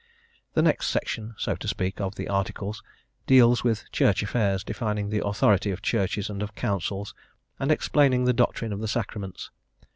The next section so to speak of the Articles deals with Church affairs, defining the authority of Churches and of Councils, and explaining the 'doctrine of the Sacraments.